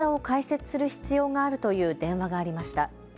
新しく口座を開設する必要があるという電話がありました。